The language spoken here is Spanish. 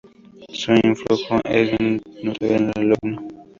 Su influjo es bien notorio en el alumno.